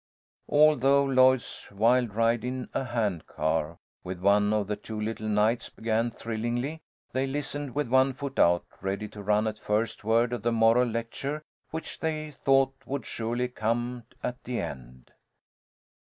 Although Lloyd's wild ride in a hand car with one of the two little knights began thrillingly, they listened with one foot out, ready to run at first word of the moral lecture which they thought would surely come at the end.